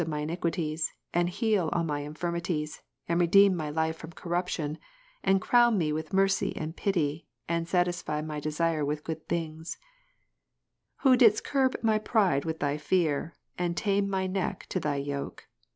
103, my iniquities, and heal all my infirmities, and redeem my ^—^' life from corruption, and crown me with mercy and pity, and satisfy my desire ivith good things : who didst curb my pride with Thy fear, and tame my neck to Thy yoke.